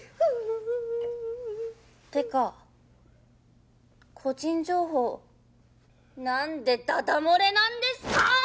てか個人情報何でだだ漏れなんですか！？